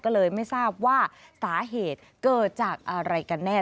ก็เลยไม่ทราบว่าสาเหตุเกิดจากอะไรกันแน่